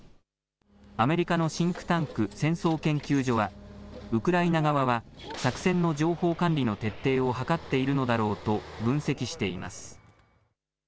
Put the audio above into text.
アメリカのシンクタンク、戦争研究所はウクライナ側は作戦の情報管理の徹底を図っているのだろうと分析しています。